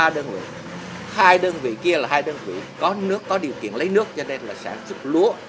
ba đơn vị hai đơn vị kia là hai đơn vị có nước có điều kiện lấy nước cho nên là sản xuất lúa